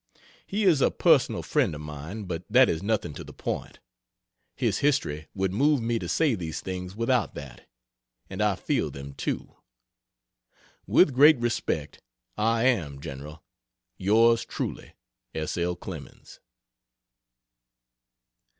He is a personal friend of mine, but that is nothing to the point, his history would move me to say these things without that, and I feel them too. With great respect I am, General, Yours truly, S. L. CLEMENS.